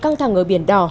căng thẳng ở biển đỏ